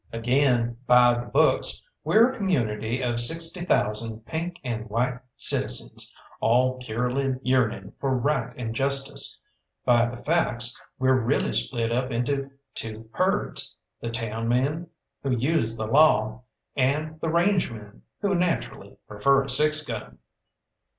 Again, by the books we're a community of sixty thousand pink and white citizens, all purely yearning for right and justice. By the facts, we're really split up into two herds the town men, who use the law, and the range men, who naturally prefer a six gun.